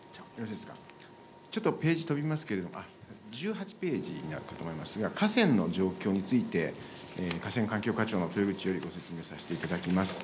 ちょっとページ飛びますけれども、１８ページになると思いますが、河川の状況について、河川環境課長のとようちよりご説明させていただきます。